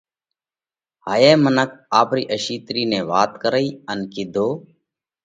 هائِيئہ منک آپرِي اشِيترِي نئہ وات ڪرئِي ان ڪِيڌو: